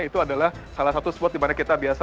itu adalah salah satu spot di mana kita biasa